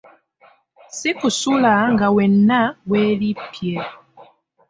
Si kusula nga wenna weerippye.